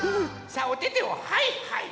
さあおててをはいはい！